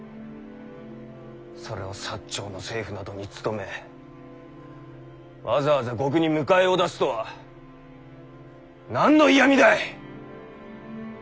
それを長の政府などに勤めわざわざ獄に迎えを出すとは何の嫌みだ！